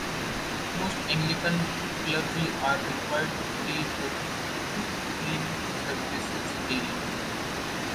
Most Anglican clergy are required to pray the two main services daily.